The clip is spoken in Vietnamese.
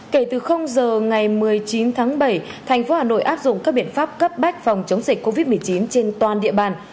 kể từ giờ ngày một mươi chín tháng bảy thành phố hà nội áp dụng các biện pháp cấp bách phòng chống dịch covid một mươi chín trên toàn địa bàn